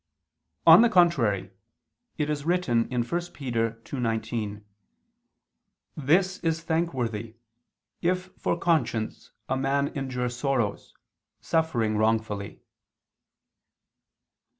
On the contrary, It is written (1 Pet. 2:19): "This is thankworthy, if for conscience ... a man endure sorrows, suffering wrongfully."